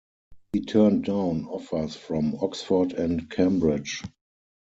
He turned down offers from Oxford and Cambridge.